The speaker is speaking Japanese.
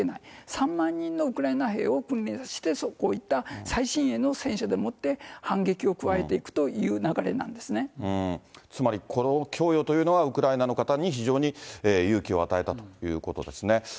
３万人のウクライナ兵を工面して、こうした最新鋭の戦車でもって反撃を加えていくという流れなんでつまり、この供与というのは、ウクライナの方に非常に勇気を与えたということですね。